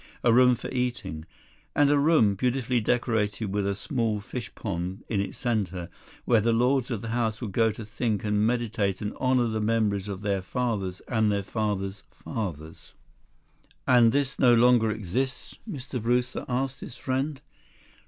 A room for eating. And a room, beautifully decorated with a small fish pond in its center, where the lords of the house would go to think and meditate and honor the memories of their fathers and their fathers' fathers." "And this no longer exists?" Mr. Brewster asked his friend.